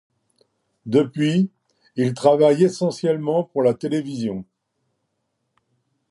Depuis, il travaille essentiellement pour la télévision.